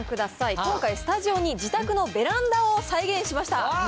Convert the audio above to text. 今回、スタジオに自宅のベランダを再現しました。